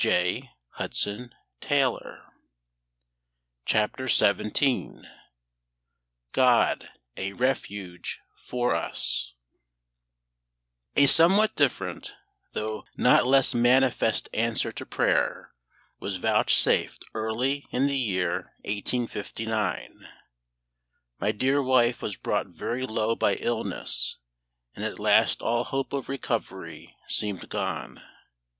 CHAPTER XVII GOD A REFUGE FOR US A SOMEWHAT different though not less manifest answer to prayer was vouchsafed early in the year 1859. My dear wife was brought very low by illness, and at last all hope of recovery seemed gone.